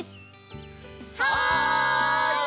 はい！